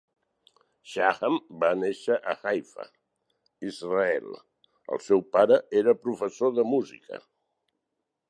Shaham va néixer a Haifa, Israel; el seu pare era professor de música.